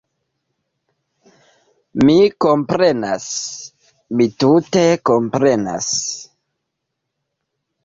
Mi komprenas... mi tute komprenas